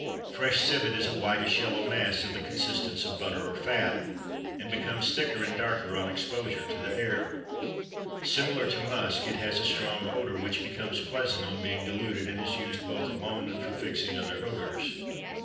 Fresh civet is a whitish yellow mass of the consistence of butter or fat, and becomes thicker and darker on exposure to the air. Similar to musk, it has a strong odor which becomes pleasant on being diluted and is used both alone and for fixing other odors.